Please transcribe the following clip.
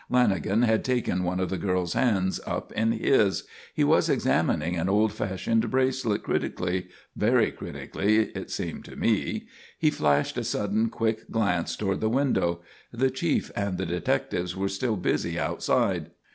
Lanagan had taken one of the girl's hands up in his. He was examining an old fashioned bracelet critically, very critically, it seemed to me. He flashed a sudden quick glance toward the window; the chief and the detectives were still busy outside.